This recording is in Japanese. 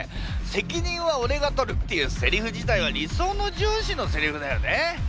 「責任はオレが取る」っていうセリフ自体は理想の上司のセリフだよね。